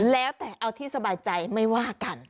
แล้วแต่เอาที่สบายใจไม่ว่ากัน